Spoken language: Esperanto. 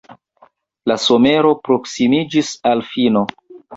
La somero proksimiĝis al fino.